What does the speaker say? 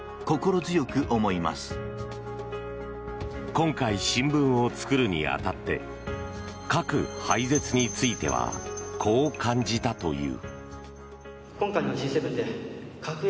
今回、新聞を作るに当たって核廃絶についてはこう感じたという。